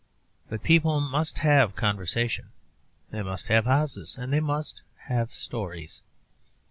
But people must have conversation, they must have houses, and they must have stories.